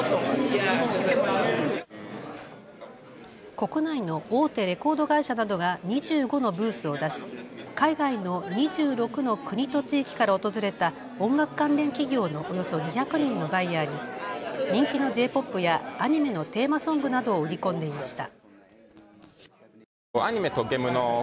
国内の大手レコード会社などが２５のブースを出し海外の２６の国と地域から訪れた音楽関連企業のおよそ２００人のバイヤーに人気のＪ−ＰＯＰやアニメのテーマソングなどを売り込んでいました。